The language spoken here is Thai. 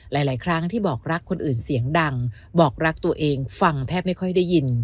หลายครั้งที่บอกรักคนอื่นเสียงดังบอกรักตัวเองฟังแทบไม่ค่อยได้ยิน